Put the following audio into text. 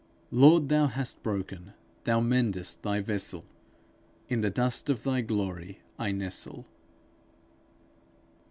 Lord, thou hast broken, thou mendest thy vessel! In the dust of thy glory I nestle.